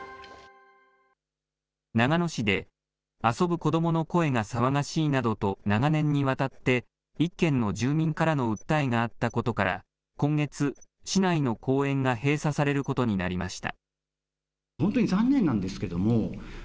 長野市で遊ぶ子どもの声が騒がしいなどと長年にわたって１軒の住民からの訴えがあったことから、今月、市内の公園が閉鎖されることになりました。